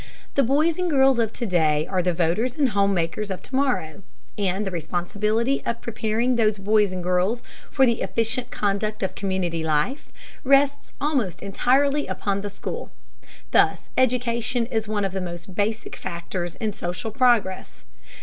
The boys and girls of to day are the voters and home makers of to morrow, and the responsibility of preparing those boys and girls for the efficient conduct of community life rests almost entirely upon the school. Thus education is one of the most basic factors in social progress.